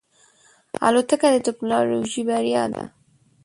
الوتکه د ټکنالوژۍ بریا ده.